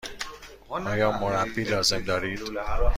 آیا مربی لازم دارید؟